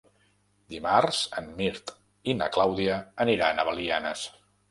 Dimarts en Mirt i na Clàudia aniran a Belianes.